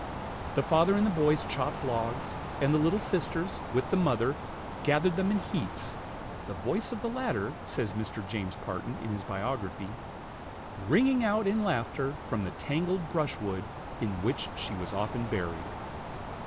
The father and the boys chopped logs, and the little sisters, with the mother, gathered them in heaps, the voice of the latter, says Mr. James Parton, in his biography, "ringing out in laughter from the tangled brushwood in which she was often buried."